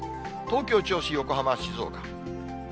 東京、銚子、横浜、静岡。